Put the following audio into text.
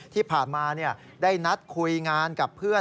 ที่ผ่านมาได้นัดคุยงานกับเพื่อน